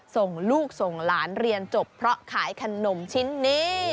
ส่งลูกส่งหลานเรียนจบเพราะขายขนมชิ้นนี้